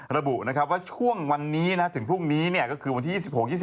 ระบุนะครับว่าช่วงวันนี้ถึงพรุ่งนี้ก็คือวันที่๒๖๒